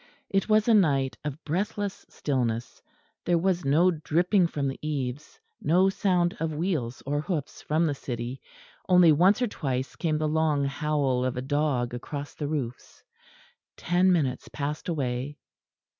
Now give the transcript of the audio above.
It was a night of breathless stillness; there was no dripping from the eaves; no sound of wheels or hoofs from the city; only once or twice came the long howl of a dog across the roofs. Ten minutes passed away.